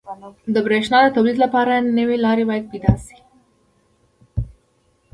• د برېښنا د تولید لپاره نوي لارې باید پیدا شي.